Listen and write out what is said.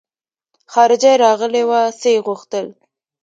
خارجۍ راغلې وه څه يې غوښتل.